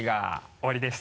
終わりです。